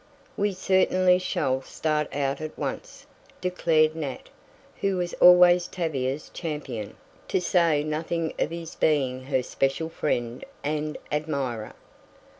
"We certainly shall start out at once," declared Nat, who was always Tavia's champion, to say nothing of his being her special friend and admirer.